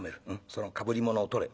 そのかぶり物を取れ」。